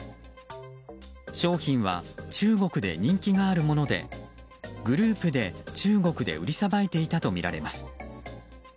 商品は中国で人気があるものでグループで中国で売りさばいていたとみられます。